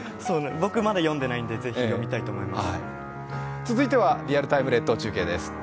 僕、まだ読んでないので、読んでみたいと思います。